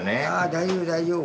大丈夫大丈夫。